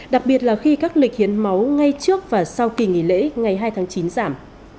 đặc biệt là khi các lịch hiến máu ngay trước và sau kỳ nghỉ lễ ngày hai tháng chín giảm